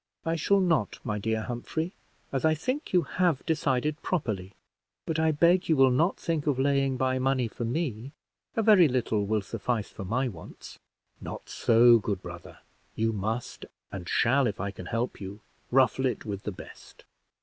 "I shall not, my dear Humphrey, as I think you have decided properly; but I beg you will not think of laying by money for me a very little will suffice for my wants." "Not so, good brother; you must and shall, if I can help you, ruffle it with the best.